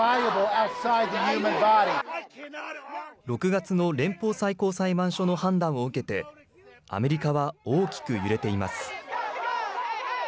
６月の連邦最高裁判所の判断を受けてアメリカは大きく揺れています。